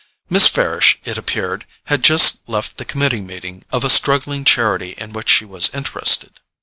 Miss Farish, it appeared, had just left the committee meeting of a struggling charity in which she was interested.